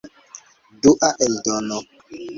Dua eldono.